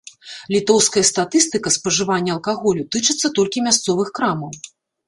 Літоўская статыстыка спажывання алкаголю тычыцца толькі мясцовых крамаў.